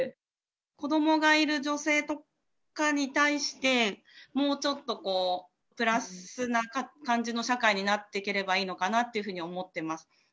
子どもがいる女性とかに対して、もうちょっとプラスな感じの社会になってければいいのかなっていうふうに思ってます。